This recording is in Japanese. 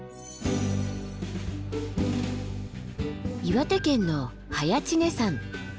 岩手県の早池峰山。